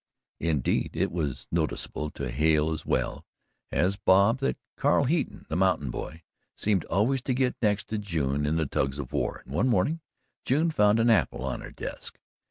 Indeed it was noticeable to Hale as well as Bob that Cal Heaton, the mountain boy, seemed always to get next to June in the Tugs of War, and one morning June found an apple on her desk.